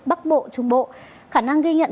bắc bộ trung bộ khả năng ghi nhận